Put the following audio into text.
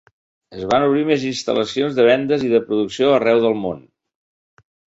Es van obrir més instal·lacions de vendes i de producció arreu del món.